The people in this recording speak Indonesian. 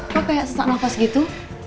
kok kayak sesak nafas gitu